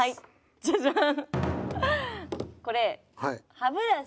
ジャジャン。